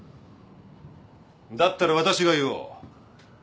だったら私が言おう。